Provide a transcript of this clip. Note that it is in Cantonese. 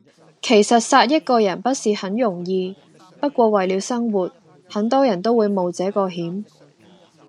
其實殺一個人不是很容易，不過為了生活，很多人都會冒這個險。